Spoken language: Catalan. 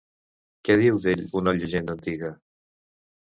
Què diu d'ell una llegenda antiga?